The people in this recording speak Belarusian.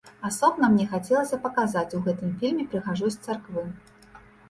Асобна мне хацелася паказаць у гэтым фільме прыгажосць царквы.